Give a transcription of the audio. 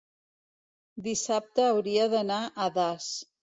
dissabte hauria d'anar a Das.